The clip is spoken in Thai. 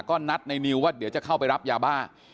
ก็นัดในนิวว่าเดี๋ยวจะเข้าไปรับยาบ้า